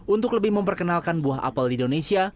untuk lebih memperkenalkan buah apel di indonesia